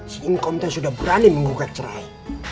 si ngkom teh sudah berani menggugat cerai